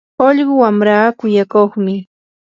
ullqu wamraa kuyakuqmi.